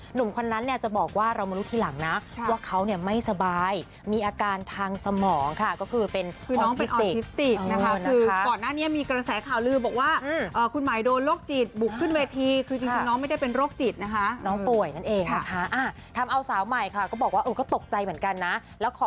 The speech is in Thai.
หนุ่มคนนั้นเนี่ยจะบอกว่าเรามารู้ทีหลังนะ